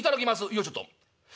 よいしょと。